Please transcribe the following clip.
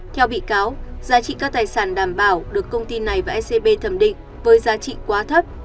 theo bị cáo giá trị các tài sản đảm bảo được công ty này và ecb thẩm định với giá trị quá thấp